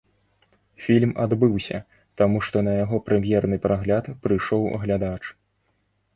Фільм адбыўся, таму што на яго прэм'ерны прагляд прыйшоў глядач.